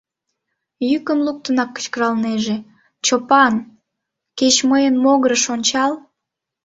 Йӱкым луктынак кычкыралнеже: «Чопан, кеч мыйын могырыш ончал...